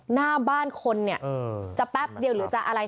หน้าบ้านคนเนี่ยจะแป๊บเดียวหรือจะอะไร